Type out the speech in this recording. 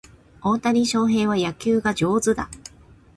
大谷翔平は野球が上手だ